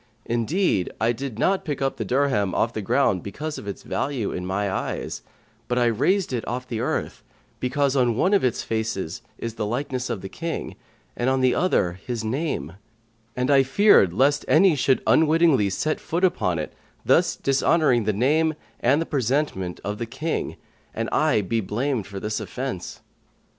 Indeed, I did not pick up the dirham off the ground because of its value in my eyes; but I raised it off the earth because on one of its faces is the likeness of the King and on the other his name; and I feared lest any should unwittingly set foot upon it, thus dishonouring the name and presentment of the King, and I be blamed for this offence."